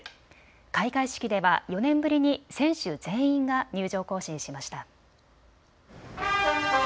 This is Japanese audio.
開会式では４年ぶりに選手全員が入場行進しました。